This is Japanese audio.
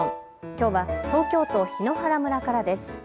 きょうは東京都檜原村からです。